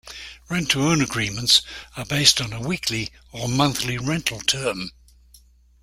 Rent-to-own agreements are based on a weekly or monthly rental term.